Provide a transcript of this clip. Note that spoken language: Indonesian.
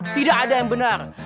tidak ada yang benar